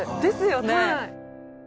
ですよね。